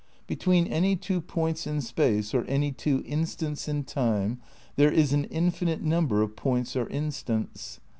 Between any two points in space or any two instants in time there is an infinite number of points or instants.